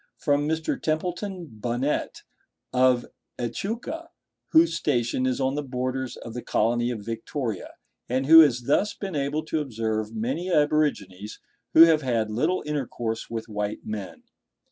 From Mr. Templeton Bunnett, of Echuca, whose station is on the borders of the colony of Victoria, and who has thus been able to observe many aborigines who have had little intercourse with white men.